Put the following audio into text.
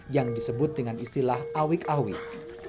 yang disebut dengan istilah awik awik